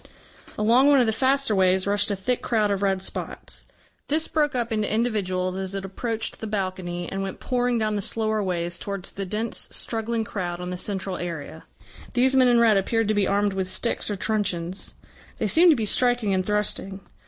Along one of the faster ways rushed a thick crowd of red spots. This broke up into individuals as it approached the balcony, and went pouring down the slower ways towards the dense struggling crowd on the central area. These men in red appeared to be armed with sticks or truncheons; they seemed to be striking and thrusting.